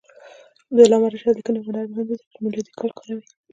د علامه رشاد لیکنی هنر مهم دی ځکه چې میلادي کال کاروي.